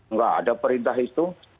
nggak ada perintah itu